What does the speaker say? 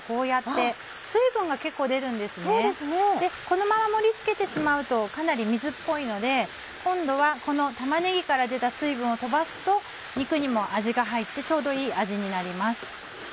このまま盛り付けてしまうとかなり水っぽいので今度はこの玉ねぎから出た水分を飛ばすと肉にも味が入ってちょうどいい味になります。